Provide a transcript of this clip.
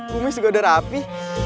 bumis juga udah rapi